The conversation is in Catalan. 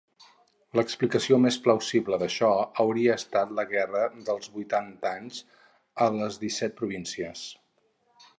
L'explicació més plausible d'això hauria estat la guerra dels vuitanta anys a les disset províncies.